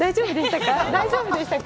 大丈夫でしたか？